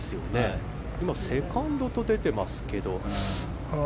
今セカンドと出ていますけど。